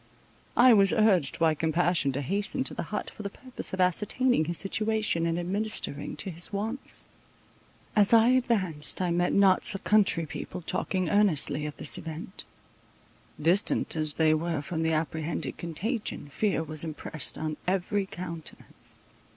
I was urged by compassion to hasten to the hut, for the purpose of ascertaining his situation, and administering to his wants. As I advanced I met knots of country people talking earnestly of this event: distant as they were from the apprehended contagion, fear was impressed on every countenance.